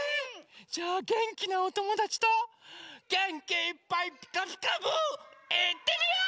じゃあげんきなおともだちとげんきいっぱい「ピカピカブ！」いってみよう！